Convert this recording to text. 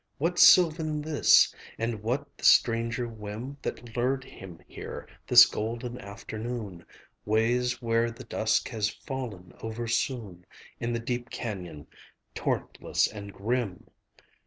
What sylvan this, and what the stranger whim That lured him here this golden afternoon; Ways where the dusk has fallen oversoon In the deep canyon, torrentless and grim?